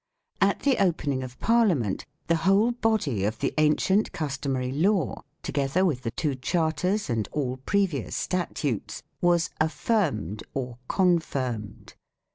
At the opening of Parliament, the whole body of the ancient customary law, together with the two charters and all previous statutes, was affirmed or confirmed.